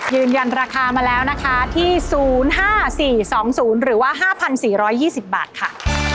ยืนยันราคามาแล้วนะคะที่๐๕๔๒๐หรือว่า๕๔๒๐บาทค่ะ